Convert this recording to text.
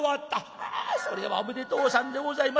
「あそれはおめでとうさんでございます」。